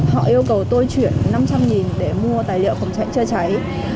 họ yêu cầu tôi chuyển năm trăm linh để mua tài liệu phòng cháy chữa cháy